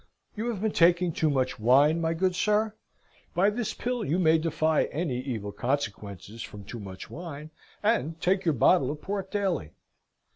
"You have been taking too much wine, my good sir? By this pill you may defy any evil consequences from too much wine, and take your bottle of port daily."